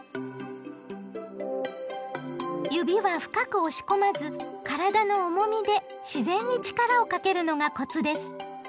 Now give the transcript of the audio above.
指は深く押し込まず体の重みで自然に力をかけるのがコツです。